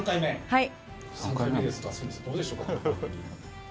はい。